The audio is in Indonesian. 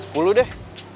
beli sepuluh deh